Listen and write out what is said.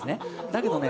だけどね